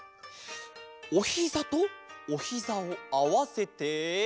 おひざとおひざをあわせて。